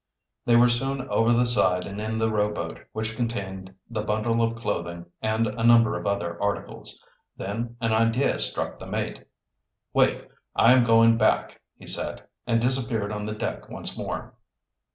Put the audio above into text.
They were soon over the side and in the rowboat, which contained the bundle of clothing and a number of other articles. Then an idea struck the mate. "Wait; I am going back," he said, and disappeared on the deck one more.